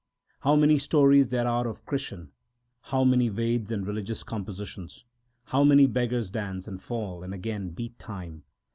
How many stories there are of Krishan ! how many Veds and religious compositions ! l How many beggars dance, and fall, and again beat time